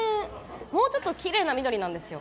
もうちょっときれいな緑なんです。